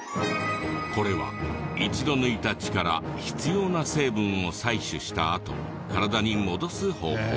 これは一度抜いた血から必要な成分を採取したあと体に戻す方法。